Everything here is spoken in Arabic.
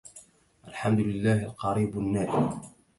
الحمد لله القريب النائي